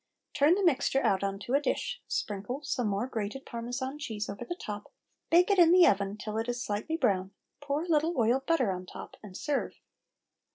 Turn the mixture out on to a dish, sprinkle some more grated Parmesan cheese over the top, bake it in the oven till it is slightly brown, pour a little oiled butter on the top, and serve.